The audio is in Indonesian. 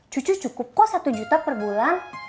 cucu cukup kok satu juta per bulan